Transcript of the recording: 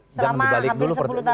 selama hampir sepuluh tahun